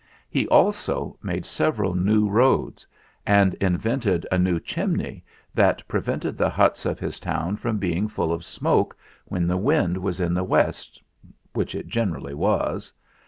He also made several new roads, and invented a new chimney that prevented the huts of his town from being full of smoke when the wind was in the west which it generally was.